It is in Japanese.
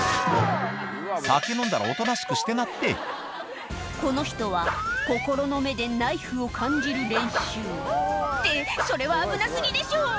酒飲んだらおとなしくしてなってこの人は心の目でナイフを感じる練習ってそれはアブナ過ぎでしょ